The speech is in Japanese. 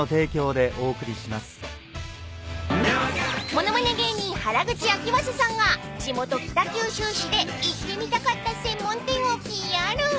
［物まね芸人原口あきまささんが地元北九州市で行ってみたかった専門店をＰＲ］